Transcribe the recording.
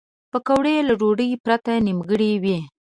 پکورې له ډوډۍ پرته نیمګړې وي